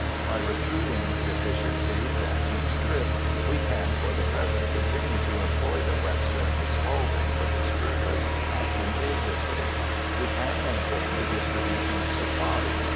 By recruiting deficiencies at each trip, we can for the present continue to employ the Webster and the Spaulding for this purpose advantageously. We can maintain the distribution of supplies.